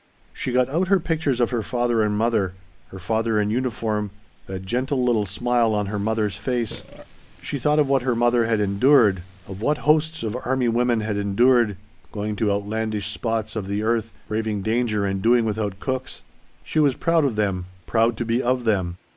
She got out her pictures of her father and mother; her father in uniform that gentle little smile on her mother's face. She thought of what her mother had endured, of what hosts of army women had endured, going to outlandish spots of the earth, braving danger and doing without cooks! She was proud of them, proud to be of them.